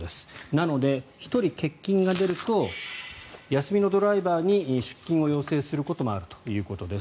なので、１人欠勤が出ると休みのドライバーに出勤を要請することもあるということです。